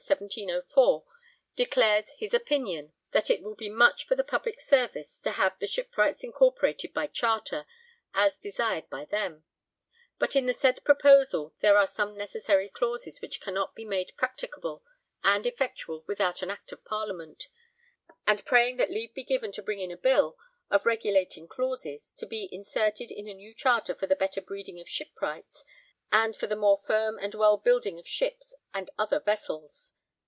1704, declares his opinion that it will be much for the public service to have the shipwrights incorporated by Charter, as desired by them; but in the said proposal there are some necessary clauses which cannot be made practicable and effectual without an Act of Parliament: and praying that leave be given to bring in a Bill, of regulating clauses, to be inserted in a new charter for the better breeding of Shipwrights and for the more firm and well building of ships and other vessels.